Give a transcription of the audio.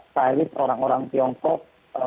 stairies orang orang tiongkok